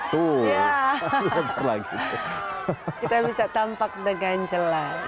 kita bisa tampak dengan jelas